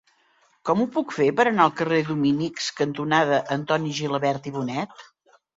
Com ho puc fer per anar al carrer Dominics cantonada Antoni Gilabert i Bonet?